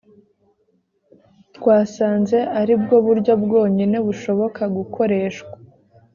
twasanze ari bwo buryo bwonyine bushoboka gukoreshwa